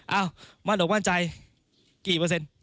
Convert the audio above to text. มั่นอกมั่นใจกี่เปอร์เซ็นต์